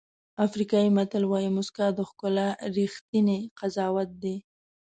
افریقایي متل وایي موسکا د ښکلا ریښتینی قضاوت دی.